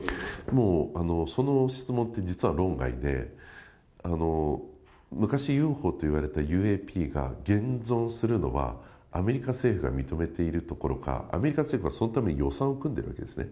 もうその質問って、実は論外で、昔ＵＦＯっていわれたＵＡＰが現存するのは、アメリカ政府が認めているどころか、アメリカ政府はそのために予算を組んでるんですね。